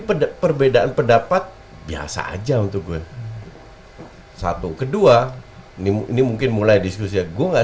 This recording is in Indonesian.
perbedaan pendapat biasa aja untuk gue satu kedua ini mungkin mulai diskusi gue gak